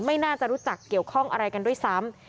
ไม่น่าจะรู้จักเกี่ยวข้องอะไรกันด้วยซ้ำ